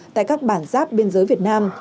tại các bản giáp biên giới việt nam